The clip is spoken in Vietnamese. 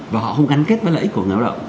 và họ không gắn kết với lợi ích của người lao động